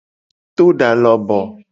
To da loboo.